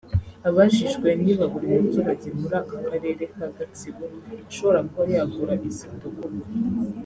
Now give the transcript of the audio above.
Abajijwe niba buri muturage muri aka karere ka Gatsibo ashobora kuba yagura izi Ndogobe